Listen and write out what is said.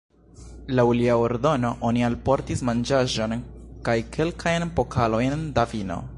Laŭ lia ordono oni alportis manĝaĵon kaj kelkajn pokalojn da vino.